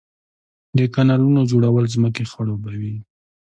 د کانالونو جوړول ځمکې خړوبوي.